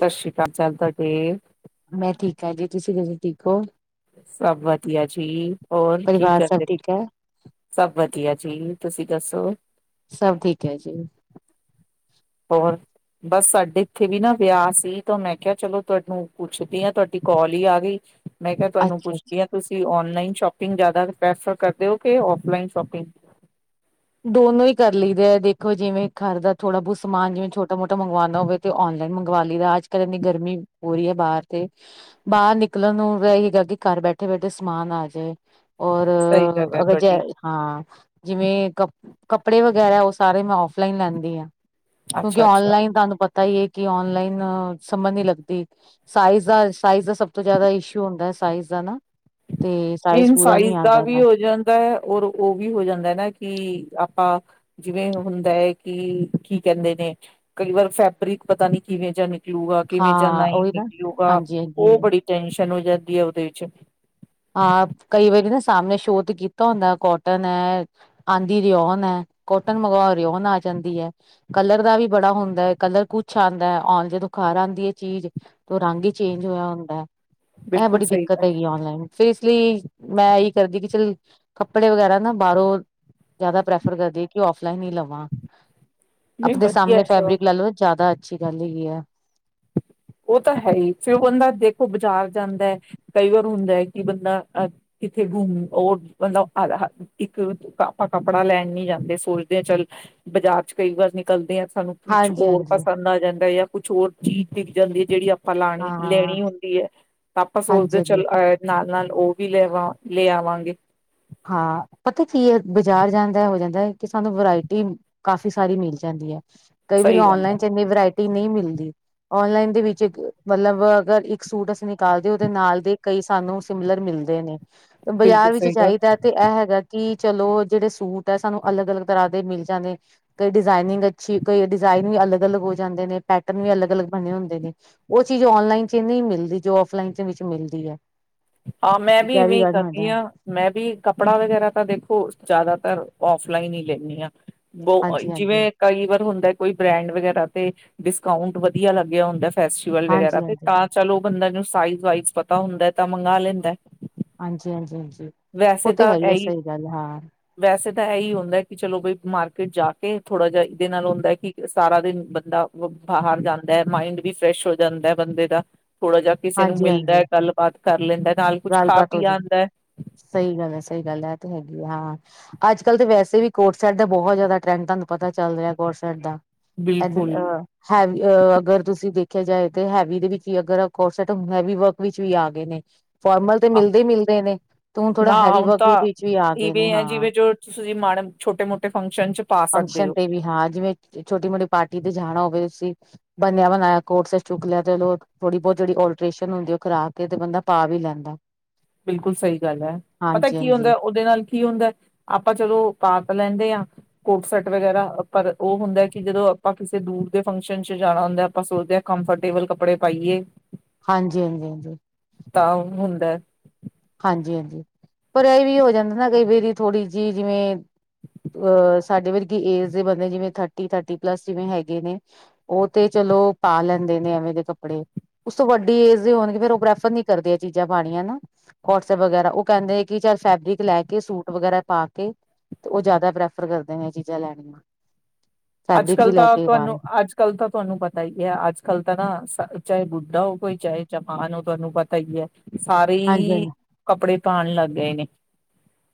ਸਤਿ ਸ਼੍ਰੀ ਅਕਾਲ ਚੱਲ ਤੁਹਾਡੇ ਮੈਂ ਠੀਕ ਹਾਂ ਜੀ ਤੁਸੀਂ ਤੁਸੀ ਠੀਕ ਹੋ। ਸਭ ਵਧੀਆ ਜੀ ਹੋਰ ਕੀ ਪਰਿਵਾਰ ਸਭ ਕਰਦੇ ਠੀਕ ਹੈ ਸਭ ਵਧੀਆ ਜੀ। ਤੁਸੀਂ ਦੱਸੋ? ਸਭ ਠੀਕ ਹੈ ਜੀ। ਹੋਰ ਬਸ ਸਾਡੇ ਇੱਥੇ ਵੀ ਨਾ ਵਿਆਹ ਸੀ ਤਾਂ ਮੈਂ ਕਿਹਾ ਚਲੋ ਤੁਹਾਨੂੰ ਪੁੱਛਦੀ ਹਾਂ ਤੁਹਾਡੀ ਕਾਲ ਹੀ ਆ ਗਈ। ਮੈਂ ਕਿਹਾ ਤੁਹਾਨੂੰ ਅੱਛਾ ਅੱਛਾ ਪੁੱਛਦੀ ਹਾਂ ਤੁਸੀਂ ਓਨਲ- ਲਾਇਨ ਸ਼ੋਪਿੰਗ ਜ਼ਿਆਦਾ ਪ੍ਰੈਫਰ ਕਰਦੇ ਹੋ ਕਿ ਔਫ ਲਾਈਨ ਸ਼ੋਪਿੰਗ ਦੋਨੋ ਹੀ ਕਰ ਲਈਦੇ ਦੇਖੋ ਜਿਵੇਂ ਘਰ ਦਾ ਥੋੜ੍ਹਾ ਬਹੁਤ ਸਮਾਨ ਜਿਵੇਂ ਛੋਟਾ ਮੋਟਾ ਮੰਗਵਾਉਣਾ ਹੋਵੇ ਤੇ ਔਨਲਾਈਨ ਮੰਗਵਾ ਲਈਦਾ ਅੱਜ ਕੱਲ ਇੰਨੀ ਗਰਮੀ ਹੋ ਰਹੀ ਹੈ ਬਾਹਰ ਤੇ ਬਾਹਰ ਨਿਕਲਣ ਨੂੰ ਤਾਂ ਹੈਗਾ ਕਿ ਘਰ ਬੈਠੇ ਬੈਠੇ ਸਮਾਨ ਆ ਜਾਏ। ਔਰ ਸਹੀ ਗੱਲ ਹੈ ਅਗਰ ਜੇ ਤੁਹਾਡੀ ਹਾਂ- ਜਿਵੇਂ ਕ- ਕੱਪੜੇ ਵਗੈਰਾ ਉਹ ਸਾਰੇ ਮੈ ਔਫ ਫਲਾਈਨ ਲੈਂਦੀ ਆ ਕਿਉਂਕਿ ਅੱਛਾ ਅੱਛਾ ਔਨਲਾਈਨ ਤੁਹਾਨੂੰ ਪਤਾ ਈ ਏ ਕੀ ਔਨਲਾਈਨ ਸਮਝ ਨੀ ਲੱਗਦੀ ਸਾਈਜ਼ ਦਾ ਸਾਈਜ਼ ਦਾ ਸਭ ਤੋਂ ਜ਼ਿਆਦਾ ਇਸ਼ੂ ਹੁੰਦਾ। ਸਾਈਜ਼ ਦਾ ਨਾ- ਤੇ ਮੇਨ ਪੂਰਾ ਨੀ ਸਾਈਜ਼ ਆਂਦਾ ਦਾ ਵੀ ਉਹਨਾਂ ਹੋ ਜਾਂਦਾ ਹੈ ਔਰ ਉਹ ਵੀ ਹੋ ਜਾਂਦਾ ਨਾ ਕਿ ਆਪਾਂ ਜਿਵੇਂ ਹੁੰਦਾ ਹੈ ਕਿ ਕੀ ਕਹਿੰਦੇ ਨੇ ਕਈ ਵਾਰ ਫੈਬਰਿਕ ਪਤਾ ਨੀ ਕਿਵੇਂ ਜਾਂ ਨਿ ਨਿਕਲੂਗਾ ਕਿਵੇਂ ਜਾਂ ਹਾਂ ਨਹੀਂ ਉਹੀ ਨਾ ਨਿਕਲੂਗਾ ਹਾਂਜੀ-ਹਾਂਜੀ ਉਹ ਬੜੀ ਟੈਨਸ਼ਨ ਹੋ ਜਾਂਦੀ ਹੈ ਉਹਦੇ ਵਿੱਚ ਹਾਂ ਕਈ ਵਾਰੀ ਨਾ ਸਾਹਮਣੇ ਸ਼ੋਅ ਤੇ ਕੀਤਾ ਹੁੰਦਾ ਕੋਟਨ ਐ ਆਂਦੀ ਰਿਓਨ ਹੈ। ਕੋਟਨ ਮੰਗਵਾਓ ਰਿਓਨ ਆ ਜਾਂਦੀ ਹੈ। ਕਲਰ ਦਾ ਵੀ ਬੜਾ ਹੁੰਦਾ ਹੈ ਕਲਰ ਕੁਛ ਆਉਂਦਾ ਹੈ ਜਦੋਂ ਘਰ ਆਉਂਦੀ ਹੈ ਚੀਜ਼ ਤਾਂ ਰੰਗ ਹੀ ਚੇਂਜ ਹੋਇਆ ਹੁੰਦਾ। ਇਹ ਬਿਲਕੁਲ ਬੜੀ ਸਹੀ ਦਿੱਕਤ ਗੱਲ ਹੈਗੀ ਔਨਲਾਈਨ ਫਿਰ ਇਸ ਲਈ ਮੈਂ ਇਹੀ ਕਰਦੀ ਕਿ ਚੱਲ ਕੱਪੜੇ ਵਗੈਰਾ ਨਾ ਬਾਹਰੋਂ ਜ਼ਿਆਦਾ ਪ੍ਰੈਫਰ ਕਰਦੀ ਕਿ ਔਫ਼ਲਾਈਨ ਹੀ ਲਵਾਂ ਨਹੀਂ ਆਪਣੇ ਵਧੀਆ ਸਾਹਮਣੇ ਹੈ ਸਗੋਂ ਫੈਬਰਿਕ ਲਾ ਲਓ ਜ਼ਿਆਦਾ ਅੱਛੀ ਗੱਲ ਹੈਗੀ ਆ ਉਹ ਤਾਂ ਹੈ ਹੀ ਫਿਰ ਉਹ ਬੰਦਾ ਦੇਖੋ ਬਾਜ਼ਾਰ ਜਾਂਦਾ ਹੈ ਕਈ ਵਾਰ ਹੁੰਦਾ ਹੈ ਕਿ ਬੰਦਾ ਕਿੱਥੇ ਘੁੰਮ ਉਹ ਬੰਦਾ ਇੱਕ ਆਪਾਂ ਕੱਪੜਾ ਲੈਣ ਨੀ ਜਾਂਦੇ ਸੋਚਦੇ ਆ ਚੱਲ ਬਾਜ਼ਾਰ ਚ ਕਈ ਵਾਰ ਨਿਕਲਦੇ ਆ ਸਾਨੂੰ ਕੁਛ ਹੋਰ ਹਾਂਜੀ-ਹਾਂਜੀ ਪਸੰਦ ਆ ਜਾਂਦਾ ਆ ਕੁਛ ਹੋਰ ਚੀਜ਼ ਜਾਂਦੀ ਹੈ ਜਿਹੜੀ ਆਪ ਆਪਾਂ ਲਾਉਣੀ ਹਾਂ ਲੈਣੀ ਹੁੰਦੀ ਹੈ ਤਾਂ ਆਪਾਂ ਸੋਚਦੇ ਹਾਂਜੀ-ਹਾਂਜੀ ਚਲ ਅਹ ਨਾਲ ਨਾਲ ਉਹ ਵੀ ਲੈਵ ਲੈ ਆਵਾਂਗੇ ਹਾਂ ਪਤਾ ਕੀ ਹੈ ਬਾਜ਼ਾਰ ਜਾਂਦਾ ਹੋ ਜਾਂਦਾ ਕਿ ਸਾਨੂੰ ਵਰਾਇਟੀ ਕਾਫ਼ੀ ਸਾਰੀ ਮਿਲ ਜਾਂਦੀ ਹੈ ਕਈ ਵਾਰੀ ਸਹੀ ਗੱਲ ਹੈ ਔਨਲਾਈਨ ਚ ਇੰਨੀ ਵਰਾਇਟੀ ਨਹੀਂ ਮਿਲਦੀ ਔਨਲਾਈਨ ਦੇ ਵਿੱਚ ਮਤਲਬ ਅਗਰ ਇੱਕ ਸੂਟ ਅਸੀਂ ਨੇ ਨਾਲਦੇ ਉਹਦੇ ਨਾਲ ਦੇ ਕਈ ਸਾਨੂੰ ਸਿਮਲਰ ਮਿਲਦੇ ਨੇ ਬਿਲਕੁਲ ਬਾਜ਼ਾਰ ਵਿੱਚ ਸਹੀ ਗੱਲ ਚਾਹੀਦਾ ਤੇ ਇਹ ਹੈਗਾ ਕਿ ਚਲੋ ਜੇੜੇ ਸੂਟ ਆ ਸਾਨੂ ਅਲਗ ਅਲਗ ਤਰ ਦੇ ਮਿਲ ਜਾਂਦੇ ਕਈ ਡਿਜ਼ਨਿੰਗ ਅੀ ਕਈ ਡਿਜ਼ਨ ਵੀ ਅਲਗ ਅਲਗ ਹੋ ਜਾਂਦੇ ਨੇ ਪੈਟਰ ਵੀ ਅਲਗ ਅਲਗ ਬਣੇ ਹੁੰਦੇ ਨੇ ਉਹ ਚੀਜ਼ ਆਨਲਾਈਨ ਚ ਨ ਮਿਲਦੀ ਜੋ ਆਫਲਾਈਨ ਮਿਲਦੀ ਆ ਹਾਂ ਮੈਂ ਵੀ ਇਵੇਂ ਹੀ ਕਰਦੀ ਹਾਂ ਮੈਂ ਵੀ ਕੱਪੜਾ ਵਗੈਰਾ ਤਾਂ ਦੇਖੋ ਜ਼ਿਆਦਾਤਰ ਔਫਲਾਈਨ ਹੀ ਲੈਂਦੀ ਹਾਂ ਬਹੁ ਹਾਂਜੀ ਹਾਂਜੀ ਜਿਵੇਂ ਕਈ ਵਾਰ ਹੁੰਦਾ ਕੋਈ ਬ੍ਰੈਂਡ ਵਗੈਰਾ ਤੇ ਡਿਸਕਾਊਂਟ ਵਧੀਆ ਲੱਗਿਆ ਹੁੰਦਾ ਫੈਸਟੀਵਲ ਹਾਂਜੀ ਵਗੈਰਾ ਤੇ ਹਾਂਜੀ। ਤਾਂ ਚਲੋ ਬੰਦਾ ਨੂੰ ਸਾਈਜ਼ ਵਾਈਜ਼ ਪਤਾ ਹੁੰਦਾ ਹੈ ਤਾਂ ਮੰਗਵਾ ਲੈਂਦਾ ਹਾਂਜੀ ਹਾਂਜੀ ਹਾਂਜੀ ਉਹ ਵੈਸੇ ਤੇ ਤਾਂ ਹੈ ਹੀ ਆ ਇਹੀ ਸਹੀ ਗੱਲ ਹਾਂ ਵੈਸੇ ਤਾਂ ਇਹੀ ਹੁੰਦਾ ਚਲੋ ਬਈ ਮਾਰਕੀਟ ਜਾ ਕੇ ਥੋੜਾ ਜਾ ਇਹਦੇ ਨਾਲ ਹੁੰਦਾ ਕਿ ਸਾਰਾ ਦਿਨ ਬੰਦਾ ਬਾਹਰ ਜਾਂਦਾ ਹੈ ਮਾਇਡ ਵੀ ਫਰੈਸ਼ ਹੋ ਜਾਂਦਾ ਬੰਦੇ ਦਾ ਥੋੜਾ ਜਾਹਾ ਕਿਸੇ ਨੂੰ ਮਿਲਦਾ ਹੈ ਗੱਲਬਾਤ ਕਰ ਲੈਂਦਾ ਨਾਲ ਕੁਛ ਗੱਲ ਖਾ ਬਾਾਤ ਪੀ ਹੋ ਜਾਵੇ ਆਉਂਦਾ ਹੈ। ਸਹੀ ਗੱਲ ਹੈ ਸਹੀ ਗੱਲ ਐ ਤੇ ਹੈਗੀ ਆ ਹਾਂ ਅੱਜ ਕੱਲ੍ਹ ਤਾਂ ਵੈਸੇ ਵੀ ਕੋਟਸੈਟ ਦਾ ਬਹੁਤ ਜ਼ਿਆਦਾ ਟਰੈਂਡ ਤੁਹਾਨੂੰ ਪਤਾ ਚੱਲ ਰਿਹਾ ਕੋਟਸੈਟ ਦਾ ਬਿਲਕੁਲ ਹੈਵ ਅਗਰ ਤੁਸੀਂ ਦੇਖ ਦੇਖਿਆ ਜਾਏ ਤੇ ਹੈਵੀ ਦੇ ਵਿੱਚ ਵੀ ਅਗਰ ਕੋਰਸਟ ਹੈਵੀ ਵਰਕ ਵਿੱਚ ਵੀ ਆ ਗਏ ਨੇ ਫੋਰਮਲ ਤੇ ਮਿਲਦੇ ਹੀ ਮਿਲਦੇ ਨੇ ਤੇ ਹੁਣ ਥੋੜਾ ਨਾ ਹੈਵੀ ਹੁਣ ਵਰਕ ਵਿੱਚ ਵੀ ਆ ਗਏ ਨੇ ਹਾਂ ਤੁ ਮਾੜ ਛੋਟੇ ਮੋਟੇ ਫੰਕ ਫੰਕਸ਼ਨ ਤੇ ਵੀ ਹਾਂ ਜਿਵੇਂ ਛੋਟੀ ਮੋਟੀ ਪਾਰਟੀ ਤੇ ਜਾਣਾ ਹੋਵੇ ਤੁਸੀਂ ਬਨਿਆ ਬਣਾਇਆ ਕੋਟਸ ਚੁੱਕ ਲਿਆ ਤੇ ਥੋੜੀ ਬਹੁਤ ਜਿਹੜੀ ਅਲਟ੍ਰੇਸ਼ਨ ਹੁੰਦੀ ਉਹ ਕਰਾ ਕੇ ਤੇ ਬੰਦਾ ਪਾ ਵੀ ਲੈਂਦਾ ਬਿਲਕੁਲ ਸਹੀ ਗੱਲ ਐ, ਪਤਾ ਹਾਂਜੀ ਕੀ ਹਾਂਜੀ, ਹੁੰਦੈ ਉਹਦੇ ਨਾਲ ਕੀ ਹੁੰਦੈ ਅਪਾਂ ਚਲੋ ਪਾ ਤ ਲੈਂਦੇ ਆ ਕੋਟ ਸੈਟ ਵਗੈਰਾ ਪਰ ਔ ਹੁੰਦੈ ਕਿ ਜਦੋਂ ਅਪਾਂ ਕਿਸੇ ਦੂਰ ਦੇ ਫੰਕਸ਼ਨ ਚ ਜਾਣਾ ਹੁੰਦੈ ਅਪਾਂ ਸੋਚਦੇ ਆਂ ਕੰਫਰਟੇਬਲ ਕੱਪੜੇ ਪਾਈਏ। ਹਾਂਜੀ ਹਾਂਜੀ ਹਾਂਜੀ। ਤਾਂ ਔ ਹੁੰਦੈ। ਹਾਂਜੀ ਹਾਂਜੀ, ਪਰ ਐ ਵੀ ਹੋ ਜਾਂਦੈ ਨਾ ਕਈ ਵਰੀ ਥੋੜ੍ਹੀ ਜੀ ਜਿਵੇਂ, ਅਹ ਸਾਡੇ ਵਰਗੀ ਏਜ ਦੇ ਬੰਦੇ ਜਿਵੇਂ ਥਰਟੀ ਥਰਟੀ ਪਲੱਸ ਜਿਵੇਂ ਹੈਗੇ ਨੇ ਔ ਤੇ ਚਲੋ ਪਾ ਲੈਂਦੇ ਨੇ ਐਵੇਂ ਦੇ ਕੱਪੜੇ ਉਸ ਤੋਂ ਵੱਡੀ ਏਜ ਦੇ ਹੋਣਗੇ ਫੇਰ ਔ ਪ੍ਰੈਫਰ ਨੀ ਕਰਦੇ ਐ ਚੀਜ਼ਾਂ ਪਾਣੀਆਂ ਨਾ। ਕੋਟਸੈਪ ਵਗੈਰਾ ਔ ਕੈੰਦੇ ਏ ਕਿ ਚੱਲ ਫੈਬਰਿਕ ਲੈ ਕੇ ਸੂਟ ਵਗੈਰਾ ਪਾ ਕੇ ਤੇ ਔ ਜੈਦਾ ਪ੍ਰੈਫਰ ਕਰਦੇ ਨੇ ਐ ਚੀਜ਼ਾਂ ਲੈਣੀਆਂ। ਫੈਬਰਿਕ ਹੀ ਅੱਜ-ਕੱਲ ਲੈ ਤਾਂ ਕੇ ਪਾ ਤੁਹਾਨੂੰ ਲੈਣ ਅੱਜ-ਕੱਲ ਤਾਂ ਤੁਹਾਨੂੰ ਪਤਾ ਹੀ ਐ ਅੱਜ-ਕੱਲ ਤਾਂ ਨਾ ਸ ਚਾਹੇ ਬੁੱਢਾ ਹੋ ਕੋਈ ਜਵਾਨ ਹੋਵੇ ਤੁਹਾਨੂੰ ਪਤਾ ਹੀ ਐ। ਸਾਰੇ ਹਾਂਜੀ ਈ ਹਾਂਜੀ ਕੱਪੜੇ ਪਾਣ ਲੱਗ ਗਏ ਨੇ।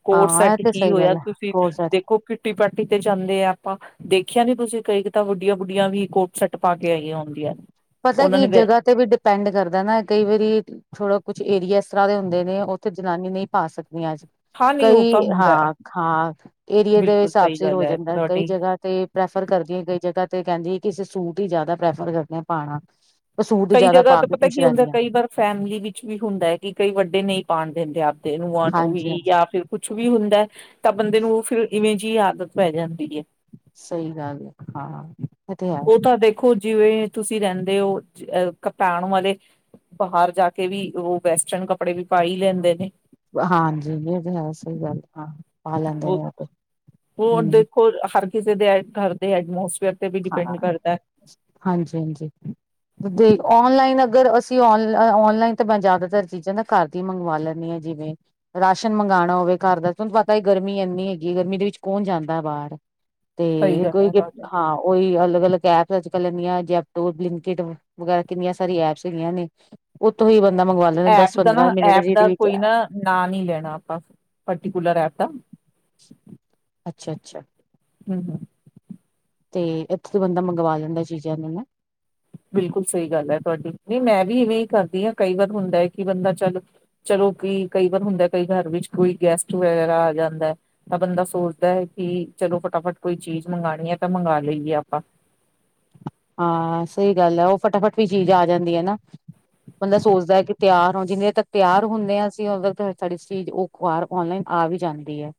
ਕੋਡ ਹਾਂ ਸੈਟ ਇਹ ਤੇ ਕੀ ਸਹੀ ਹੋਇਆ, ਗੱਲ ਹੈ ਤੁਸੀਂ ਕੋਟ ਸੈਟ ਦੇਖੋ ਕਿਟੀ ਪਰਟੀ ਤੇ ਜਾਂਦੇ ਆ। ਆਪਾਂ ਦੇਖਦੇ ਆਂ ਦੇਖਿਆ ਨੀ ਤੁਸੀਂ ਕਈ ਤਾਂ ਵੱਡੀਆਂ ਬੂੱਡੀਆਂ ਵੀ ਕੋ ਪਤੈ ਕੀ ਨੇ ਵ ਜਗ੍ਹਾ ਤੇ ਵੀ ਡਿਪੈਂਡ ਕਰਦੈ ਨਾ ਕਈ ਵਾਰੀ ਥੋੜਾ ਕੁਛ ਏਰੀਆ ਸ ਤਰ੍ਹਾਂ ਦੇ ਹੁੰਦੇ ਨੇ ਉਥੇ ਜਨਾਨੀ ਨਹੀਂ ਪਾ ਸਕ ਨੀ ਹਾਂ ਨਹੀਂ ਉਹ ਆਸਕ--ਕਈ ਤਾਂ ਹੁੰਦਾ ਹੈ ਹਾਂ ਹਾਂ ਏਰੀਏ ਦੇ ਬਿਲਕੁਲ ਸਾਬ ਸਹੀ ਸਿਰ ਗੱਲ ਹੋ ਹੈ ਜਾਂਦੈ, ਕਈ ਤੁਹਾਡੀ ਜਗ੍ਹਾ ਤੇ ਪ੍ਰੈਫਰ ਕਰਦੀਆਂ ਕਈ ਜਗ੍ਹਾ ਤੇ ਕਹਿੰਦੀ ਏ ਕਿਸੇ ਸੂਟ ਵੀ ਜਿਆਦਾ ਪ੍ਰੈਫਰ ਕਰਦੇ ਨੇ ਪਾਉਣਾ ਉਹ ਸੂਟ ਕਈ ਜ਼ਿਆਦਾ ਜਗ੍ਹਾ ਪਾ ਤੇ ਕੇ ਪਤੈ ਖੁਸ਼ ਕੀ ਹੁੰਦੈ ਰਹਿੰਦੀਆਂ ਕਈ ਵਾਰ ਫੈਮਲੀ ਵਿੱਚ ਵੀ ਹੁੰਦਾ ਏ, ਕਿ ਕਈ ਵੱਡੇ ਨਹੀਂ ਪਾਣ ਦਿੰਦੇ ਆਪਦੇ ਨੂੰਹਾ ਆਪ ਦੀ ਹਾਂਜੀ ਹੀ ਹਾਂਜੀ ਯਾ ਫਿਰ ਕੁਛ ਵੀ ਹੁੰਦੈ। ਹਅ। ਤਾਂ ਬੰਦੇ ਨੂੰ ਔ ਫਿਰ ਇਵੇਂ ਜੀ ਈ ਆਦਤ ਪੈ ਜਾਂਦੀ ਏ। ਸਹੀ ਗੱਲ ਐ, ਹਾਂ‌। ਇਹ ਤਾਂ ਹੈ ਏ ਤੁਸੀਂ ਰਹਿੰਦੇ ਹੋ ਕਪਾਣ ਵਾਲੇ ਬਾਹਰ ਜਾ ਕੇ ਵੀ ਉਹ ਵੈਸਟਰਨ ਕੱਪੜੇ ਵੀ ਪਾ ਹੀ ਲੈਂਦੇ ਨੇ ਹਾਂਜੀ ਏ ਤੇ ਹੈ, ਸਹੀ ਗੱਲ, ਹਾਂ‌। ਹੋਰ, ਹੋਣ ਹਮ ਦੇਖੋ ਹਰ ਕਿਸੇ ਦੇ ਘਰ ਦੇ ਹੈਡਮੋਸ ਹਾਂ, ਹਾਂਜੀ ਹਾਂਜੀ ਦੇ ਔਨਲਾਈਨ ਅਗ ਅਗਰ ਅਸੀਂ ਔਨਲਾਈਨ ਤੋ ਮੈਂ ਜੈਦਾਤਰ ਚੀਜ਼ਾਂ ਨਾ ਘਰ ਦੀ ਮੰਗਵਾ ਲੈਂਣੀ ਆਂ, ਜਿਵੇਂ ਰਾਸ਼ਨ ਮੰਗਾਣਾ ਹੋਵੇ ਘਰ ਦਾ ਤਵੈਨ ਪਤਾ ਈ ਗਰਮੀ ਐਨੀ ਹੈਗੀ ਏ ਗਰਮੀ ਦੇ ਵਿੱਚ ਕੌਣ ਜਾਂਦੈ ਬਾਰ। ਸਹੀ ਤੇ ਗੱਲ ਕੋਈ ਹੈ ਗਿਬ ਤੁਹਾਡੀ ਨਾ ਉਹੀ ਅਲਗ ਅਲ ਗੈਪ ਪੈ ਗਈ ਐ ਬਲਿੰਕ ਕਿਡ ਵਗੈਰਾ ਬੰਦਾ ਮੰਗਵਾ ਲੈਂਦਾ ਦਸ ਐਪ ਦਾ ਨਾ ਪੰਦਰਾਂ ਮਿੰਟ ਐਪ ਜਿਹਦੇ ਦਾ ਵਿੱਚ ਕੋਈ ਨਾ ਨਾਂ ਨੀ ਲੈਣਾ ਅਪਾਂ ਪਰਟੀਕੂਲਰ ਐਪ ਦਾ। ਅੱਛਾ ਅੱਛਾ। ਹੂੰ ਹੂੰ। ਤੇ ਐਥੇ ਤੇ ਬੰਦਾ ਮੰਗਵਾ ਲਿੰਦੈ ਚੀਜ਼ਾਂ ਨੂੰ ਨਾ। ਬਿਲਕੁਲ ਸਹੀ ਗੱਲ ਐ ਤੁਵਾਡੀ, ਨਹੀਂ ਮੈਂ ਵੀ ਇਵੇਂ ਈ ਕਰਦੀ ਆਂ ਕਈ ਵਾਰ ਹੁੰਦਾ ਏ ਕਿ ਬੰਦਾ ਚੱਲ ਚਲੋ ਕੀ ਕਈ ਵਾਰ ਹੁੰਦਾ ਕਈ ਘਰ ਵਿੱਚ ਕੋਈ ਗੈਸਟ ਵਗੈਰਾ ਆ ਜਾਂਦਾ ਹੈ ਤਾਂ ਬੰਦਾ ਸੋਚਦਾ ਐ ਕਿ ਚਲੋ ਫਟਾਫਟ ਕੋਈ ਚੀਜ਼ ਮੰਗਾਣੀ ਐ ਤਾਂ ਮੰਗਾ ਲਈ ਏ ਆਪਾਂ। ਹਾਂ ਸਹੀ ਗੱਲ ਹੈ ਉਹ ਫਟਾਫਟ ਵੀ ਚੀਜ਼ ਆ ਜਾਂਦੀ ਹੈ ਨਾ ਬੰਦਾ ਸੋਚਦਾ ਕਿ ਤਿਆਰ ਹੋ ਜਿੰਨਨੀ ਤੱਕ ਤਿਆਰ ਹੁੰਦੇ ਆ ਅਸੀਂ ਉਦ ਤ ਸਾਡੀ ਚੀਜ਼ ਉਹ ਬਾਹਰ ਔਨਲਾਈਨ ਆ ਵੀ ਜਾਂਦੀ ਹੈ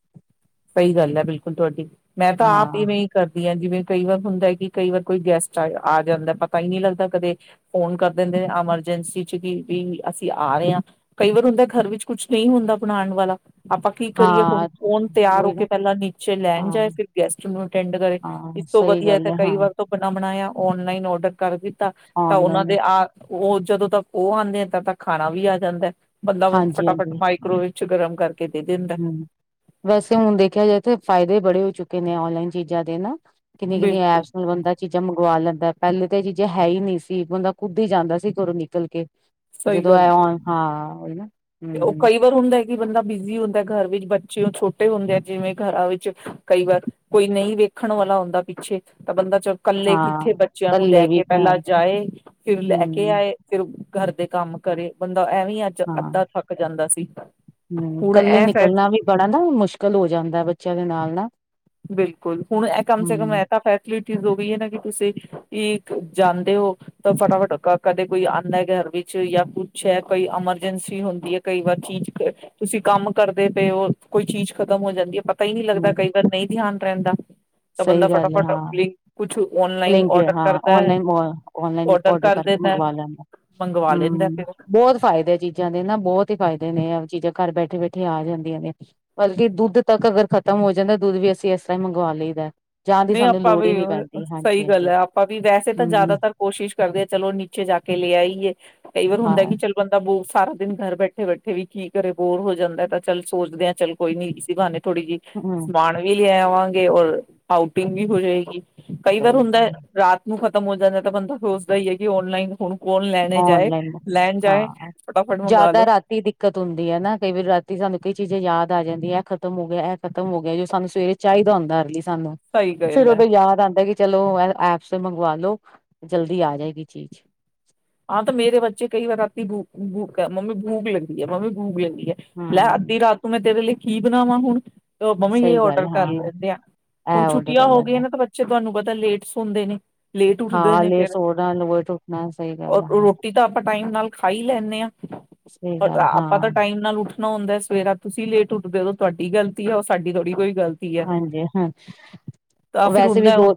ਸਹੀ ਗੱਲ ਹੈ ਬਿਲਕੁਲ ਤੁਹਾਡੀ ਮੈਂ ਤਾਂ ਆਪ ਹਾਂ ਇਵੇਂ ਹੀ ਕਰਦੀ ਹਾਂ ਜਿਵੇਂ ਕਈ ਵਾਰ ਹੁੰਦਾ ਕਿ ਕਈ ਵਾਰ ਕੋਈ ਗੈਸਟ ਆ ਜਾਂਦਾ ਪਤਾ ਹੀ ਨਹੀਂ ਲੱਗਦਾ ਕਦੇ ਫੋਨ ਕਰ ਦਿੰਦੇ ਐਮਰਜੈਂਸੀ ਚ ਕਿ ਵੀ ਅਸੀਂ ਆ ਰਹੇ ਹਾਂ ਕਈ ਵਾਰ ਹੁੰਦਾ ਘਰ ਵਿੱਚ ਕੁਛ ਨਹੀਂ ਹੁੰਦਾ ਬਣਾਉਣ ਵਾਲਾ ਆਪਾਂ ਕੀ ਕਰੀਏ ਹੁਣ ਹਾਂ ਫਨ ਤਿਆਰ ਹੋ ਉਹੀ ਨਾ ਕੇ ਪਹਿਲਾਂ ਨੀਚੇ ਹਾਂ ਲੈਣ ਜਾਏ ਫਿਰ ਗੈਸਟ ਨੂੰ ਅਟੈਂਡ ਕਰੇ ਇਸ ਹਾਂ ਤੋਂ ਸਹੀ ਵਧੀਆ ਗੱਲ ਤਾਂ ਹੈ ਕਈ ਹਾਂ ਵਾਰ ਤੋਂ ਬ ਬਣਾਇਆ ਓਨਲਾਈਨ ਔਡਰ ਕਰਕੇ ਤਾਂ ਉਹਨਾਂ ਔਨਲਾਈਨ ਦੇ ਆ ਉਹ ਜਦੋਂ ਤੱਕ ਉਹ ਆਉਂਦੇ ਆ ਤਾਂ ਤ ਖਾਣਾ ਵੀ ਆ ਜਾਂਦਾ ਬੰਦਾ ਫਟਾਫਟ ਹਾਂਜੀ-ਹਾਂਜੀ ਮਾਈਕਰੋਏ ਗਰਮ ਕਰਕੇ ਕਿਤੇ ਦਿੰਦਾ ਤੇ ਹੁਣ ਦੇਖਿਆ ਜਾਏ ਤੇ ਫਾਇਦੇ ਬੜੇ ਹੋ ਚੁੱਕੇ ਨੇ ਨਲਾਈਨ ਚੀਜ਼ਾਂ ਦੇ ਨਾ ਕਿੰਨੀਆਂ ਕਿੰਨੀਆਂ ਬਿਲਕੁਲ ਐਪਸ ਨਾਲ ਬੰਦਾ ਚੀਜ਼ਾਂ ਮੰਗਵਾ ਲੈਂਦਾ ਪਹਿਲੇ ਤਾਂ ਇਹ ਚੀਜ਼ਾਂ ਹੈ ਹੀ ਨਹੀਂ ਸੀ ਬੰਦਾ ਕੁੱਦ ਹੀ ਜਾਂਦਾ ਸੀ ਘਰੋਂ ਨਿਕਲ ਕੇ ਜਦੋਂ ਐ ਹਾਂ ਨਾ ਤੇ ਉਹ ਹੂੰ ਕਈ ਵਾਰ ਹੁੰਦਾ ਹੈ ਕਿ ਬੰਦਾ ਬਿ ਹੁੰਦਾ ਘਰ ਵਿੱਚ ਬੱਚੇਓ ਛੋਟੇ ਹੁੰਦੇ ਆ ਜਿਵੇਂ ਘਰਾਂ ਵਿੱਚ ਕਈ ਵਾਰ ਕੋਈ ਨਹੀਂ ਵੇਖਣ ਵਾਲਾ ਹੁੰਦਾ ਪਿੱਛੇ ਤਾਂ ਬੰਦਾ ਇਕੱਲੇ ਕਿੱਥੇ ਹਾਂ ਬੱਚਿਆਂ ਨੂੰ ਲੈ ਕੱਲੇ ਵੀ ਕੇ ਪਹਿਲਾਂ ਘਰ ਜਾਏ ਫਿਰ ਲੈ ਕੇ ਹੂੰ ਆਏ ਫਿਰ ਘਰ ਦੇ ਕੰਮ ਕਰੇ ਬੰ ਐਵੇਂ ਅੱਜ ਅੱਧਾ ਜਾਂਦਾ ਸੀ ਹਮ ਹੁਣ ਕੱਲੇ ਇਹ ਫੈਸ ਨਿਕਲਣਾ ਵੀ ਬੜਾ ਨਾ ਮੁਸ਼ਕਿਲ ਹੋ ਜਾਂਦਾ ਬੱਚਿਆਂ ਨਾਲ ਨਾ ਬਿਲਕੁਲ ਹੁਣ ਇਹ ਕਮ ਸੇ ਕਮ ਹੂੰ ਐ ਤਾਂ ਫੈਸ ਚ ਵੀ ਹੈ ਨਾ ਕਿ ਤੁਸੀਂ ਜਾਂਦੇ ਹੋ ਤਾਂ ਫਟਾਫਟ ਕਦੇ ਕੋਈ ਆਉਂਦਾ ਘਰ ਵਿੱਚ ਜਾਂ ਕੁੱਛ ਹੈ ਕੋਈ ਐਮਰਜੈਂਸੀ ਹੁੰਦੀ ਹੈ ਕਈ ਵਾਰ ਚੀਜ਼ ਤੁਸੀਂ ਕੰਮ ਕਰਦੇ ਪਏ ਹੋ ਕੋਈ ਚੀਜ਼ ਖਤਮ ਹੋ ਜਾਂਦੀ ਹੈ ਤਾਂਈ ਨੀ ਲੱਗਦਾ ਹੂੰ ਕਈ ਨਹੀਂ ਧਿਆਨ ਰਹਿੰਦਾ ਤਾਂ ਬੰਦਾ ਫਟਾਫਟ ਬ ਪੁਛੂ ਲਿੰਕ ਹਾਂ ਨਲਾਈਨ ਨਲਾਈਨ ਔਡਰ ਕਰ ਕਰਕੇ ਦਿੰਦਾ ਮੰਗਵਾ ਲੈਂਦਾ ਮੰਗਵਾ ਲੈਂਦਾ ਹਮ ਫਿਰ ਬਹੁਤ ਫਾਇਦੇ ਆ ਚੀਜ਼ਾਂ ਦੇ ਨਾ ਬਹੁਤ ਹੀ ਫਾਇਦੇ ਨੇ ਚੀਜ਼ਾਂ ਘਰ ਬੈਠੇ ਬੈਠੇ ਆ ਜਾਂਦੀਆਂ ਨੇ ਬਲਕਿ ਦੁੱਧ ਤੱਕ ਅਗਰ ਖਤਮ ਹੋ ਜਾਂਦਾ ਦੁੱਧ ਵੀ ਅਸੀਂ ਇਸ ਤਰ੍ਹਾਂ ਹੀ ਮੰਗਵਾ ਲਈਦਾ ਜਾਣ ਦੀ ਨਹੀਂ ਸਾਨੂੰ ਆਪਾਂ ਲੋੜ ਹੀ ਵੀ ਨੀ ਉਹ ਪੈਂਦੀ ਹਾਂਜੀ ਸਹੀ ਗੱਲ ਹਾਂਜੀ ਹੈ ਆਪਾਂ ਵੀ ਵੈਸੇ ਤਾਂ ਹਮ ਜ਼ਿਆਦਾਤਰ ਕੋਸ਼ਿਸ਼ ਕਰਦੇ ਹਾਂ ਚਲੋ ਨੀਚੇ ਜਾ ਕੇ ਲੈ ਆਈਏ ਕਈ ਵਾਰ ਹੁੰਦਾ ਹਾਂ ਕਿ ਚੱਲ ਬੰਦਾ ਬ ਸਾਰਾ ਦਿਨ ਘਰ ਬੈਠੇ ਬੈਠੇ ਵੀ ਕੀ ਕਰੇ ਬੋਰ ਹੋ ਜਾਂਦਾ ਤਾਂ ਚੱਲ ਸੋਚਦੇ ਆ ਚੱਲ ਕੋਈ ਨੀ ਸੀ ਬਹਾਨੇ ਥੋੜੀ ਜਹੀ ਹਮ ਸਮਾਣ ਵੀ ਲੈ ਆਵਾਂ ਗੇ [unintelligible] ਆਊਟਿੰਗ ਵੀ ਹੋ ਜਾਏਗੀ। ਕਈ ਵਾਰ ਸਹੀ ਹੁੰਦਾ ਗੱਲ ਰਾਤ ਨੂੰ ਖਤ ਖ਼ਤਮ ਹੋ ਜਾਂਦਾ ਤਾਂ ਬੰਦਾ ਸੋਚਦਾ ਹੀ ਹੈ ਕਿ ਔਨਲਾਈਨ ਹੁਣ ਕੌਣ ਲੈਣੇ ਜਾਏ ਆਨਲਾਈਨ ਲੈਣ ਜਾਏ ਹਾਂ ਫਟਾਫਟ ਮੰਗਵਾ ਜਿਆਦਾ ਲੋ ਰਾਤੀ ਦਿੱਕਤ ਹੁੰਦੀ ਹੈ ਨਾ ਕਈ ਵਾਰੀ ਰਾਤੀ ਸਾਨੂੰ ਕਈ ਚੀਜ਼ ਯਾਦ ਆ ਜਾਂਦੀ ਇਹ ਖਤਮ ਹੋ ਗਿਆ। ਇਹ ਖਤਮ ਹੋ ਗਿਆ। ਜੋ ਸਾਨੂੰ ਸਵੇਰੇ ਚਾਹੀਦਾ ਹੁੰਦਾ ਅਰਲੀ ਸਾਨੂੰ ਸਹੀ ਫੇਰ ਗੱਲ ਹੈ ਉਦੋਂ ਯਾਦ ਆਉਂਦਾ ਕਿ ਚਲੋ ਐਪਸ ਤੋਂ ਮੰਗਵਾ ਲੋ ਜਲਦੀ ਆ ਜਾਏਗੀ ਚੀਜ਼ ਹਾਂ ਤੇ ਮੇਰੇ ਬੱਚੇ ਕਈ ਵਾਰ ਰਾਤੀ ਭੂੂ ਮੰਮੀ ਭੂਖ ਲਗੀ ਹੈ। ਮੰਮੀ ਭੂਖ ਹੈ। ਲੈ ਹਮ ਅੱਧੀ ਰਾਤ ਨੂੰ ਮੈਂ ਤੇਰੇ ਲਈ ਕੀ ਬਣਾਵਾਂ ਹੁਣ ਤੇ ਉਹ ਮੰਮੀ ਇਹ ਸਹੀ ਗੱਲ ਔਡਰ ਕਰ ਹਾਂ ਲੈਂਦੇ ਆਂ ਹੁਣ ਇਹ ਛੁੱਟ ਉਹਦੇ ਗੱਲ ਹੋ ਗਈ ਹੈ ਨਾ ਤਾਂ ਬੱਚੇ ਤੁਹਾਨੂੰ ਪਤਾ ਲੇਟ ਸੋਂਦੇ ਨੇ ਲੇਟ ਉੱਠਦੇ ਹਾਂ ਨੇ ਲੇਟ ਫੇਰ ਸੋਨਾ ਲੇਟ ਉੱਠਣਾ ਸਹੀ ਔਰ ਗੱਲ ਹਾਂ ਰੋਟੀ ਤਾਂ ਆਪਾਂ ਟਾਈਮ ਨਾਲ ਖਾ ਹੀ ਲੈਂਦੇ ਹਾਂ। ਸਹੀ ਗੱਲ ਹਾਂ ਆਪਾਂ ਤਾਂ ਟਾਈਮ ਨਾਲ ਉੱਠਣਾ ਹੁੰਦਾ। ਸਵੇਰਾ ਤੁਸੀਂ ਲੇਟ ਉੱਠਦੇ ਓਦੋਂ ਤੁਹਾਡੀ ਗਲਤੀ ਹੈ ਉਹ ਸਾਡੀ ਥੋੜੀ ਕੋਈ ਗ਼ਲਤੀ ਹੈ ਹਾਂਜੀ ਹਾਂ ਤਾਂ ਫਿਰ ਵੈਸੇ ਵੀ ਹੁੰਦਾ ਦੋ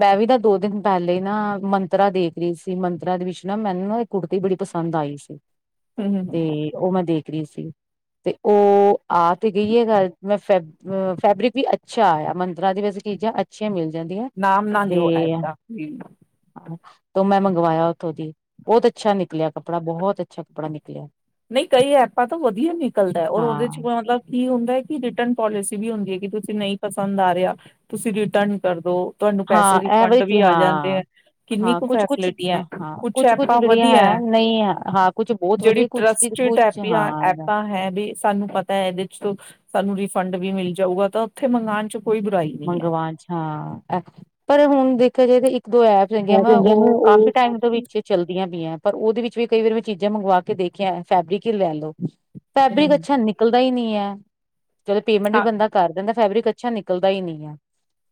ਮੈਂ ਵੀ ਤਾਂ ਦੋ ਦਿਨ ਪਹਿਲੇ ਹੀ ਨਾ ਮੰਥ ਮੰਤਰਾਂ ਦੇਖ ਰਹੀ ਸੀ। ਮੰਤਰਾਂ ਦੇ ਵਿੱਚ ਨਾ ਮੈਨੂੰ ਕੁੜਤੀ ਬੜੀ ਪਸੰਦ ਆਈ ਸੀ। ਤੇ ਹਮ ਉਹ ਮੈਂ ਦੇਖ ਰੀ ਸੀ ਤੇ ਉਹ ਆ ਤੇ ਗਈ ਹੈ ਗੱਲ ਮੈਂ ਫੈਬ ਫੈਬਰਿਕ ਵੀ ਅੱਛਾ ਆਇਆ ਮੰਤਰਾਂ ਦੀ ਵੈਸ ਚੀਜ਼ਾਂ ਅੱਛੀਆਂ ਮਿਲਦੀਆਂ। ਨਾਮ ਨਾ ਲਓ ਐਡ ਦਾ ਤ ਮੈਂ ਮੰਗਵਾਇਆ ਉੱਥੋਂ ਦੀ ਬਹੁਤ ਅੱਛਾ ਨਿਕਲਿਆ ਕੱਪੜਾ ਬਹੁਤ ਅੱਛਾ ਕੱਪੜਾ ਨਿਕਲਿਆ ਨਹੀਂ ਕਈ ਐਪਾਂ ਤਾਂ ਵਧੀਆ ਨਿਕਲਦਾ ਔਰ ਉਹਦੇ ਚ ਹਾਂ ਮਤਲਬ ਕੀ ਹੁੰਦਾ ਹੈ ਕਿ ਰਿਟਰਨ ਪੋਲਿਸੀ ਵੀ ਹੁੰਦੀ ਹੈ ਕਿ ਤੁਸੀਂ ਨਹੀਂ ਪਸੰਦ ਆ ਰਿਹਾ ਤੁਸੀਂ ਰਿਟਰਨ ਕਰਦੋ ਤੁਹਾਨੂੰ ਹਾਂ ਪੈਸੇ ਰਿਫੰਡ ਐਵਰੇ ਵੀ ਆ ਜਾਂਦੇ ਹਾਂ ਹੈ ਕਿੰਨੀ ਹਾਂ ਕੁ ਕੁਛ ਕੁਛ ਫੈਸਿਲਿਟੀ ਹੈ ਹਾਂ ਕੁਛ ਕੁਛ ਐਪਾਂ ਜਿਹੜੀਆਂ ਵਧੀਆ ਹੈ ਨਹੀਂ ਹੈ ਹਾਂ ਕੁਛ ਬਹੁਤ ਵਧੀਆ ਕੁਛ ਸਟ੍ਰੀਟ ਕੁਛ ਐਪ ਹਾਂ ਐਪਾਂ ਹੈ ਵੀ ਸਾਨੂੰ ਪਤਾ ਹੈ। ਇਹਦੇ ਚ ਸਾਨੂੰ ਰਿਫੰਡ ਵੀ ਮਿਲ ਜਾਊਗਾ ਤਾਂ ਉੱਥੇ ਮੰਗਾਨ ਚ ਕੋਈ ਬੁਰਾਈ ਨਹੀਂ ਹੈ ਮੰਗਵਾ ਚ ਹਾਂ ਪਰ ਹੁਣ ਦੇਖ ਜੇ ਇੱਕ ਦੋ ਐਪਸ ਹੈਗੀਆਂ ਮੈਂ ਵਾ ਕਹਿੰਦੀ ਆ ਨਾ ਉਹ ਕਾਫੀ ਟਾਈਮ ਤੋਂ ਵੀ ਵਿੱਚ ਚੱਲਦੀਆਂ ਪਈ ਹੈ। ਪਰ ਉਹਦੇ ਵਿੱਚ ਵੀ ਕਈ ਵਾਰ ਮੈਂ ਚੀਜ਼ਾਂ ਮੰਗਵਾ ਕੇ ਦੇਖਿਆ ਫੈਬਰਿਕ ਹੀ ਲੈ ਲੋ ਫੈਬਰਿਕ ਹਮ ਅੱਛਾ ਨਿਕਲਦਾ ਹੀ ਨਹੀ ਕਯਾ ਜਦੋਂ ਪੇਮੈਂਟ ਹਾਂ ਵੀ ਬੰਦਾ ਕਰ ਦਿੰਦਾ ਫੈਬਿਕ ਅੱਛਾ ਨਿਕਦਾ ਪ ਹੀ ਨਹੀਂ ਹੈ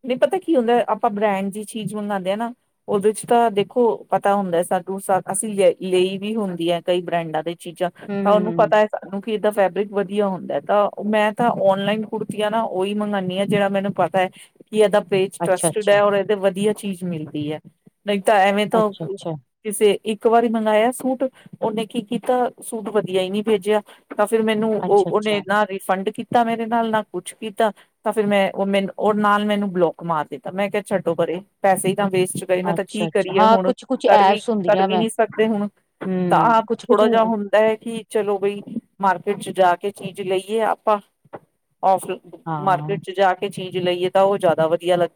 ਨਹੀਂ ਪਤਾ ਕੀ ਹੁੰਦਾ ਆਪਾਂ ਬ੍ਰਾਂਡ ਦੀ ਚੀਜ਼ ਮੰਗਵਾਦੇ ਆ ਨਾ ਉਹਦੇ ਚ ਤਾਂ ਦੇਖੋ ਪਤਾ ਹੁੰਦਾ ਸਾਨੂੰ ਅਸੀਂ ਲ ਲਈ ਵੀ ਹੁੰਦੀ ਆ ਕਈ ਬ੍ਰਾਂਡਾਂ ਦੇ ਚੀਜ਼ਾਂ ਤਾਂ ਉਹਨੂੰ ਹੂੰ-ਹੂੰ-ਹੂੰ ਪਤਾ ਹੈ, ਸਾਨੂੰ ਇਹਦਾ ਫੈਬਰਿਕ ਵਧੀਆ ਹੁੰਦਾ ਹੈ, ਤਾਂ ਮੈਂ ਤਾਂ ਓਨਲਾਈਨ ਕੁੜਤੀਆਂ ਨਾ ਉਹੀ ਮੰਗਉਂਦੀ ਹਾਂ ਜਿਹੜਾ ਮੈਨੂੰ ਪਤਾ ਹੈ ਕਿ ਇਹਦਾ ਪੇਜ ਟਸਟਡ ਹੈ, ਅੱਛਾ-ਅੱਛਾ ਔਰ ਇਹਦੇ ਵਧੀਆ ਚੀਜ਼ ਮਿਲਦੀ ਹੈ ਨਹੀਂ ਤਾਂ ਐਵੇਂ ਤੋਂ ਅੱਛਾ-ਅੱਛਾ ਕਿਸੇ ਇੱਕ ਇੱਕ ਵਾਰੀ ਮੰਗਾਇਆ ਸੂਟ ਉਹਨੇ ਕੀ ਕੀਤਾ ਸੂਟ ਵਧੀਆ ਹੀ ਨਹੀਂ ਭੇਜਿਆ ਤਾਂ ਫੇਰ ਮੈਨੂੰ ਉਹ ਉਹਨੇ ਅੱਛਾ-ਅੱਛਾ ਰਿਫੰਡ ਕੀ ਕੀਤਾ ਮੇਰੇ ਨਾਲ ਨਾ ਕੁਛ ਕੀਤਾ ਤਾਂ ਫੇਰ ਮੈਂ ਉਹ ਮੈਨੂੰ ਉਹ ਨਾਲ ਮੈਨੂੰ ਬਲੋਕ ਮਾਰ ਦਿੱਤਾ ਮੈਂ ਕਿਹਾ ਛੱਡੋ ਪਰਰੇ ਪੈਸੇ ਦਾਂ ਵੇਸਟ ਗਏ ਨਾ ਤਾਂ ਕੀ ਅੱਛਾ-ਅੱਛਾ ਕਰੀਏ ਹਾਂ ਹੁਣ ਕੁਛ-ਕੁਛ ਕਰ ਵੀ ਐਪਸ ਕਰ ਹੁੰਦੀਆਂ ਵੀ ਮੈਂ ਨਹੀ ਸਕਦੇ ਹੁਣ ਤਾਂ ਹੂੰ ਆਹ ਕੁਛ-ਕੁਛ ਥੋੜਾ ਜਿ ਹੁੰਦਾ ਹੈ ਕਿ ਚਲੋ ਬਈ ਮਾਰਕੀਟ ਚ ਜਾ ਕੇ ਚੀਜ਼ ਲਈਏ ਆਪਾਂ ਓਫ਼ ਹਾਂ ਮਾਰਕੀਟ ਚ ਜਾ ਕੇ ਚੀਂ ਜ ਲਈਏ ਤਾਂ ਉਹ ਜ਼ਿਆਦਾ ਵਧੀਆ ਲੱਗ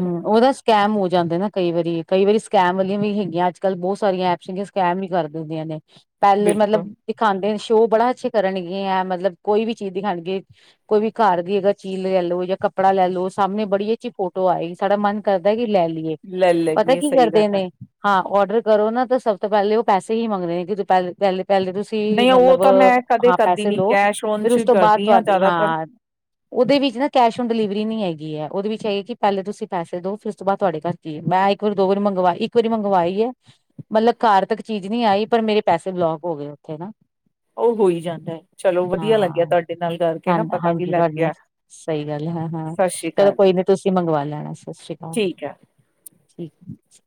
ਹਮ ਉਹਦਾ ਸਕੈਮ ਹੋ ਜਾਂਦੇ ਨਾ ਕਈ ਵਾਰੀ ਕਈ ਵਾਰੀ ਸਕੈਮ ਵੀ ਹੈਗੀਆਂ ਅੱਜ ਕੱਲ੍ਹ ਬਹੁਤ ਸਾਰੀਆਂ ਐਪਸਗੀਆਂ ਸਕੈਮ ਵੀ ਕਰਦੇ ਹੁੰਦੀਆਂ ਨੇ ਪਹਿਲੇ ਬਿਲਕੁਲ ਮਤਲਬ ਦਿਖਾਉਂਦੇ ਨੇ ਸ਼ੋਅ ਬੜਾ ਅੱਛੇ ਕਰਨਗ ਹੈ ਮਤਲਬ ਕੋਈ ਵੀ ਚੀਜ਼ ਦਿਖਾਣਗੇ ਕੋਈ ਵੀ ਘਰ ਦੀ ਅਗਰ ਚੀਜ਼ ਲੈ ਲੋ ਜਾਂ ਕੱਪੜਾ ਲੈ ਲੋ ਸਾਹਮਣੇ ਬੜੀ ਅੱਛੀ ਫੋਟੋ ਆਈ ਸਾਡਾ ਮਨ ਕਰਦਾ ਕਿ ਲੈ ਲਈਏ ਲੈ ਪਤਾ ਲਈਏ ਕੀ ਸਹੀ ਗੱਲ ਕਰਦੇ ਹੈ ਨੇ ਹਾਂ ਔਡਰ ਕਰੋ ਨਾ ਤਾਂ ਸਭ ਤੋਂ ਪਹਿਲੇ ਉਹ ਪੈਸੇ ਹੀ ਮੰਗਦੇ ਨੇ ਕਿ ਪਹਿ ਪਹਿ ਪਹਿਲੇ ਤੁਸੀਂ ਨਹੀਂ ਉਹ ਮਤਲਬ ਤਾਂ ਮੈਂ ਕਦੇ ਹਾਂ ਕਰਦੀ ਪੈਸੇ ਨੀ ਲਓ ਕੈਸ਼ ਓਨ ਫੇਰ ਉਸ ਚ ਤੋਂ ਬਾਅਦ ਕਰਦੀ ਤੁਹਾਡੇ ਜ਼ਿਆਦਾਤਰ ਹਾਂ ਉਹਦੇ ਵਿੱਚ ਨਾ ਕੈਸ਼ ਓਨ ਡਿਲੀਵ ਨੀ ਹੈਗੀ ਹੈ ਉਹਦੇ ਵਿੱਚ ਹੈਗੇ ਕਿ ਪਹਿਲੇ ਤੁਸੀਂ ਪੈਸੇ ਦੋ ਫਿਰ ਉਸ ਤੋਂ ਬਾਅਦ ਤੁਹਾਡੇ ਘਰ ਚ ਮੈਂ ਇੱਕ ਵਾਰੀ ਦੋ ਵਾਰੀ ਮੰਗਵਾਈ ਇੱਕ ਵਾਰੀ ਮੰਗਵਾਈ ਹੈ, ਮਤਲਬ ਕਾਰ ਤੱਕ ਚੀਜ਼ ਨਹੀਂੀ ਆਈ ਪਰ ਮੇਰੇ ਪੈਸੇ ਬਲੋਕ ਹੋ ਗਏ ਉੱਥੇ ਉਹ ਹੋਈ ਜਾਂਦਾ ਹੈ, ਚਲੋ ਹਾਂ ਵਧੀਆ ਲੱਗਿਆ ਤੁਹਾਡੇ ਨਾਲ ਕਰਕੇ ਹਾਂ ਨਾ ਪਤਾ ਵੀ ਹਾਂਜੀ ਲੱਗ ਤੁਹਾਡੀ ਗਿਆ, ਸਹੀ ਗੱਲ ਹਾਂ ਹਾਂ ਸਤਿ ਸ੍ਰੀ ਚਲੋ ਅਕਾਲ ਕੋਈ ਨੀ ਤੁਸੀਂ ਮੰਗਵਾ ਲੈਣਾ ਸਤਿ ਸ੍ਰੀ ਅਕਾਲ ਠੀਕ ਹੈ ਠੀਕ